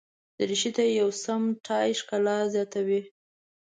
دریشي ته یو سم ټای ښکلا زیاتوي.